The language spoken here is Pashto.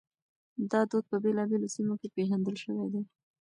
دا دود په بېلابېلو سيمو کې پېژندل شوی دی.